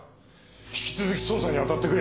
引き続き捜査にあたってくれ。